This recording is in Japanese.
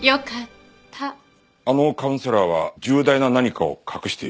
あのカウンセラーは重大な何かを隠している。